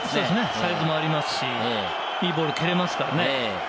サイズもありますし、いいボールを蹴れますからね。